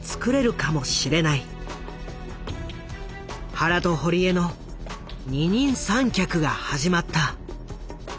原と堀江の二人三脚が始まった。